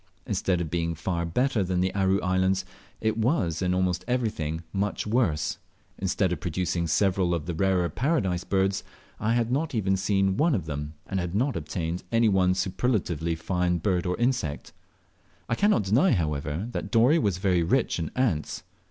Instead of being far better than the Aru Islands, it was in almost everything much worse. Instead of producing several of the rarer Paradise birds, I had not even seen one of them, and had not obtained any one superlatively fine bird or insect. I cannot deny, however, that Dorey was very rich in ants.